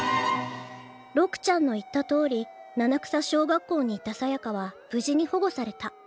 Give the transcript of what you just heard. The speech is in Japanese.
六ちゃんの言ったとおり七草小学校にいたさやかは無事に保護された。